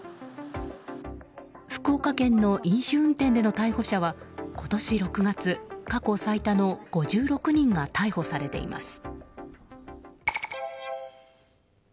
福岡県の飲酒運転での逮捕者は今年６月過去最多の５６人が逮捕されています。